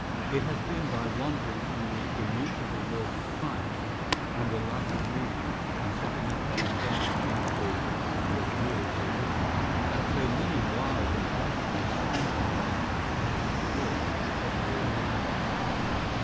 It has been by wandering from the immutable laws of science, and the light of reason, and setting up an invented thing called "revealed religion," that so many wild and blasphemous conceits have been formed of the Almighty.